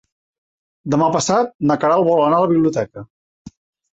Demà passat na Queralt vol anar a la biblioteca.